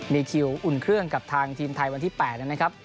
มีคิวอุ่นเครื่องกับทางทีมไทยวันที่๘นะครับ